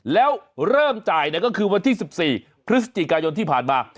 แล้วเริ่มจ่ายก็คือวันที่๑๔พฤศจิกายนที่ผ่านมา